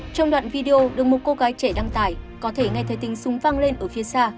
trong đoạn video được một cô gái trẻ đăng tải có thể nghe thấy tình súng văng lên ở phía xa